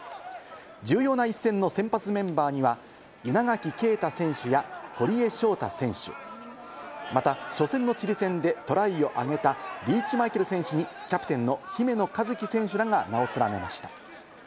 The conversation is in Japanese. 重要な一戦の先発メンバーには稲垣啓太選手や堀江翔太選手、また、初戦のチリ戦でトライを挙げたリーチ・マイケル選手に、キャプテンの姫野和樹選手らが名を連ねました。